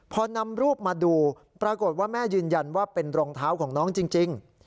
พอนำรูปมาดูปรากฏว่าแม่ยืนยันว่าเป็นรองเท้าของน้องจริง